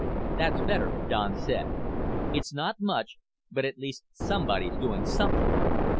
"That's better," Don said. "It's not much, but at least somebody's doing something."